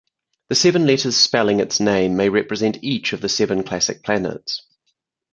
The seven letters spelling its name may represent each of the seven classic planets.